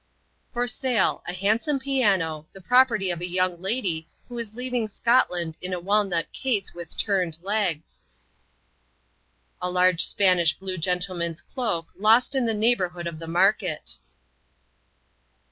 For sale, a handsome piano, the property of a young lady who is leaving Scotland in a walnut case with turned legs. A large Spanish blue gentleman's cloak lost in the neighborhood of the market.